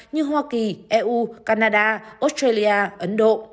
như hoa kỳ eu canada australia ấn độ